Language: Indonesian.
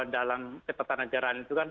dalam ketatan ajaran itu kan